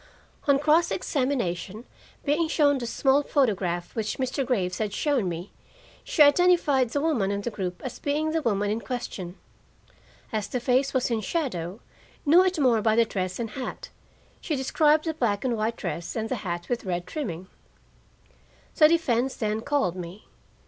On cross examination, being shown the small photograph which Mr. Graves had shown me, she identified the woman in the group as being the woman in question. As the face was in shadow, knew it more by the dress and hat: she described the black and white dress and the hat with red trimming. The defense then called me.